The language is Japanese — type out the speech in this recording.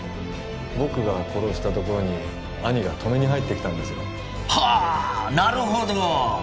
僕が殺したところに兄が止めに入ってきたんですよはあなるほど！